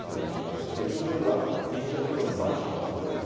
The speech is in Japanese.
そして後ろには隣接するようにマンションも建っております。